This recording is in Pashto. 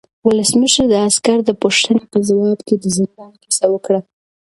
ولسمشر د عسکر د پوښتنې په ځواب کې د زندان کیسه وکړه.